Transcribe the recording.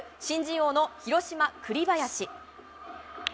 新人王の広島、栗林。